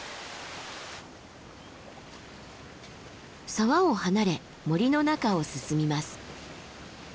沢を離れ森の中を進みます。